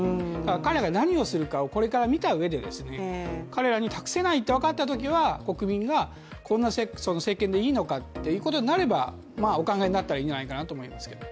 彼が何をするかをこれから見た上で彼らに託せないと分かったときに、国民がこんな政権でいいのかということになればお考えになったらいいんじゃないかなと思いますけど。